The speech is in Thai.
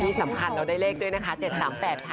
นักษีสำคัญเราได้เลขด้วยนักศัพท์๓๘ค่ะ